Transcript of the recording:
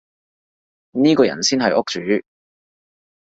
呢個人先係屋主